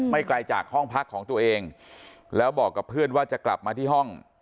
ไกลจากห้องพักของตัวเองแล้วบอกกับเพื่อนว่าจะกลับมาที่ห้อง